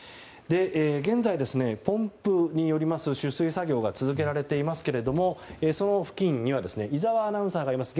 現在、ポンプによる取水作業が続けられていますけれどもその付近には井澤アナウンサーがいます。